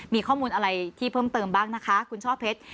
มีข้อมูลอะไรที่เพิ่มเติมบ้างนะคะคุณช่อเพชร